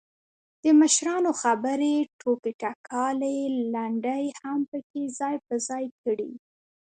دمشرانو خبرې، ټوکې ټکالې، لنډۍ هم پکې ځاى په ځاى کړي.